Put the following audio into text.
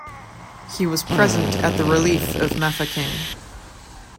He was present at the Relief of Mafeking.